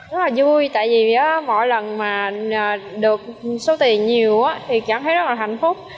rất là vui tại vì mỗi lần mà được số tiền nhiều thì cảm thấy rất là hạnh phúc